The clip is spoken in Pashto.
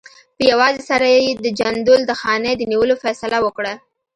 په یوازې سر یې د جندول د خانۍ د نیولو فیصله وکړه.